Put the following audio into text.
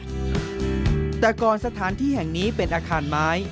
แต่ก่อนสถานที่แห่งนี้เป็นอาคารไม้